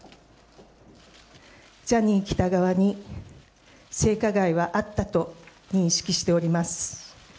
ジャニー喜多川に性加害はあったと認識しております。